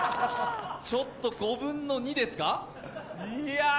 ちょっと５分の２ですか。